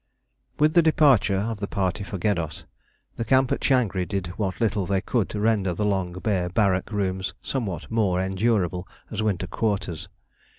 With the departure of the party for Geddos, the camp at Changri did what little they could to render the long bare barrack rooms somewhat more endurable as winter quarters.